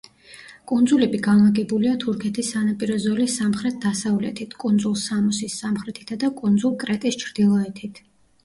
კუნძულები განლაგებულია თურქეთის სანაპირო ზოლის სამხრეთ დასავლეთით, კუნძულ სამოსის სამხრეთითა და კუნძულ კრეტის ჩრდილოეთით.